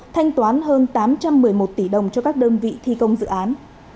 thanh toán hơn tám trăm một mươi một tỷ đồng cho các đơn vị thi công dự án